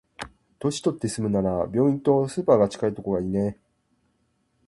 年取って住むなら、病院とスーパーが近いところがいいね。